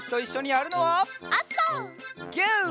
ギュー！